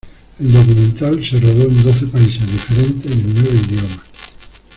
El documental se rodó en doce países diferentes y en nueve idiomas.